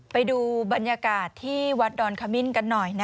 ไปดูบรรยากาศที่วัดดอนขมิ้นกันหน่อย